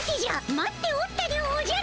待っておったでおじゃる。